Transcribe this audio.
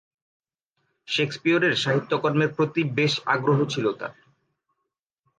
শেকসপিয়রের সাহিত্যকর্মের প্রতি বেশ আগ্রহ ছিল তার।